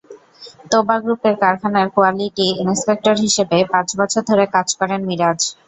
তোবা গ্রুপের কারখানার কোয়ালিটি ইন্সপেক্টর হিসেবে পাঁচ বছর ধরে কাজ করেন মিরাজ।